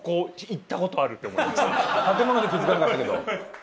建物で気づかなかったけど。